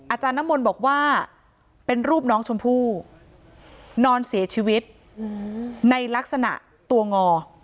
น้ำมนต์บอกว่าเป็นรูปน้องชมพู่นอนเสียชีวิตในลักษณะตัวงอ